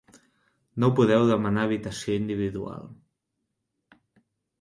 No podeu demanar habitació individual.